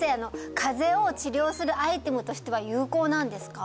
風邪を治療するアイテムとしては有効なんですか？